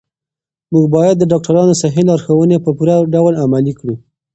موږ باید د ډاکترانو صحي لارښوونې په پوره ډول عملي کړو.